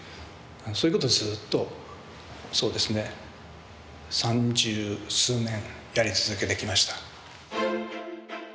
そういうことをずっとそうですね三十数年やり続けてきました。